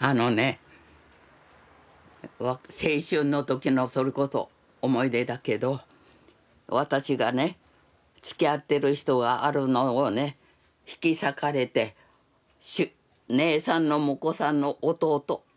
あのね青春の時のそれこそ思い出だけど私がねつきあってる人があるのをね引き裂かれて姉さんの婿さんの弟と一緒に無理やりに。